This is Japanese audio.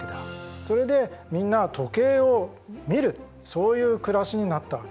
それでみんな時計を見るそういう暮らしになったわけ。